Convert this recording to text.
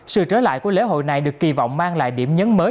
sự trở lại của lễ hội này được kỳ vọng mang lại điểm nhấn mới